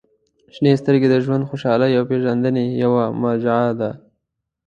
• شنې سترګې د ژوند خوشحالۍ او پېژندنې یوه مرجع ده.